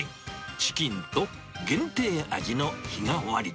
チキンと限定味の日替わり。